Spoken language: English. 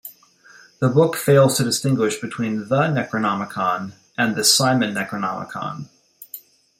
The book fails to distinguish between the "Necronomicon" and the "Simon Necronomicon".